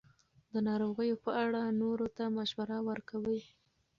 د ناروغیو په اړه نورو ته مشوره ورکوي.